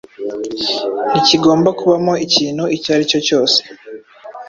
Ntikigomba kubamo ikintu icyo ari cyo cyose